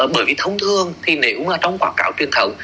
bởi vì thông thường thì nếu mà trong quảng cáo tuyên thống